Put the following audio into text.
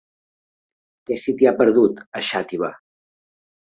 Què se t'hi ha perdut, a Xàtiva?